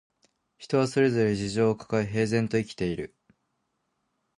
人はそれぞれ事情をかかえ、平然と生きている